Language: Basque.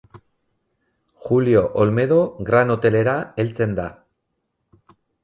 Julio Olmedo Gran Hotelera heltzen da.